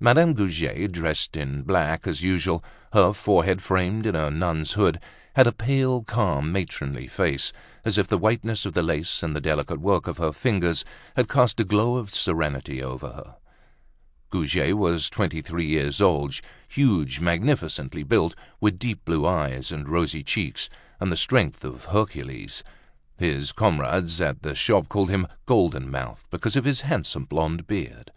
Madame Goujet, dressed in black as usual, her forehead framed in a nun's hood, had a pale, calm, matronly face, as if the whiteness of the lace and the delicate work of her fingers had cast a glow of serenity over her. Goujet was twenty three years old, huge, magnificently built, with deep blue eyes and rosy cheeks, and the strength of Hercules. His comrades at the shop called him "Golden Mouth" because of his handsome blonde beard.